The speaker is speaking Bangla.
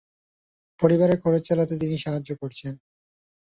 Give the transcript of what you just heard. পরিবারের খরচ চালাতে তিনি সাহায্যে করছেন।